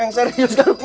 eng serius garuknya